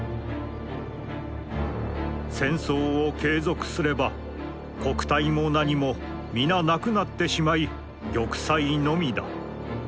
戦争を継続すれば国体も何も皆なくなつてしまひ玉砕のみだ」。